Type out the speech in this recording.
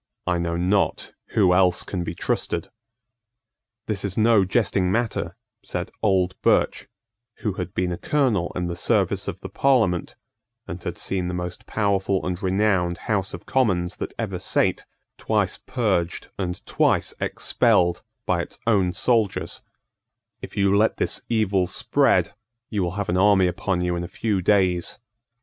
I know not who else can be trusted." "This is no jesting matter," said old Birch, who had been a colonel in the service of the Parliament, and had seen the most powerful and renowned House of Commons that ever sate twice purged and twice expelled by its own soldiers; "if you let this evil spread, you will have an army upon you in a few days.